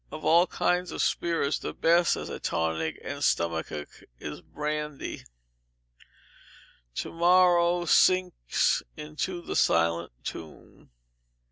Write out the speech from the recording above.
Of all kinds of spirits the best as a tonic and stomachic is brandy. [TO MORROW, SINKS INTO THE SILENT TOMB.